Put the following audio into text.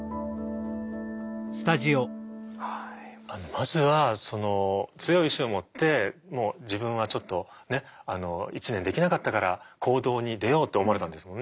まずはその強い意志を持ってもう自分はちょっとね１年できなかったから行動に出ようって思われたんですもんね。